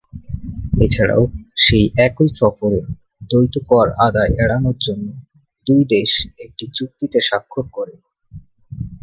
এছাড়াও সেই একই সফরে, দ্বৈত কর আদায় এড়ানোর জন্য দুই দেশ একটি চুক্তিতে সাক্ষর করে।